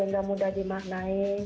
yang gak mudah dimaknai